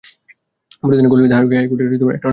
পরে তিনি কলিকাতা হাইকোর্টের এটর্নি হইয়াছিলেন।